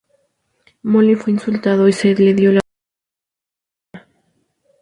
Molloy fue insultado y se le dio la orden de abandonar la zona.